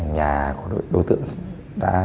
nhà của đối tượng đã